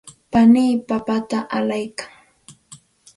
panii papata allaykan.